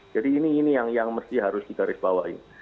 jadi ini ini yang yang mesti harus di garis bawah ini